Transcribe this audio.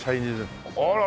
あら。